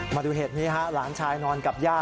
มาดูเหตุนี้ฮะหลานชายนอนกับย่า